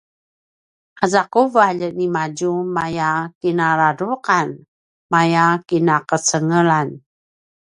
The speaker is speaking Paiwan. aza quvalj nimadju maya kinaladruqan maya kinaqecengelan